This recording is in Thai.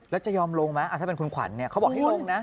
แล้วจะยอมลงไหมถ้าเป็นคุณขวัญเขาบอกให้ลงนะ